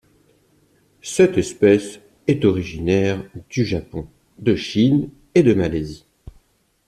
Cette espèce est originaire du Japon, de Chine et de Malaisie.